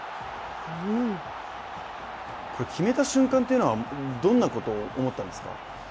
これ、決めた瞬間っていうのはどんなことを思ったんですか？